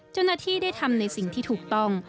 เจ้าหน้าที่ได้ทำในสิ่งที่ถูกต้อง